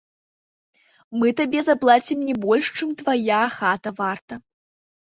Мы табе заплацім не больш, чым твая хата варта.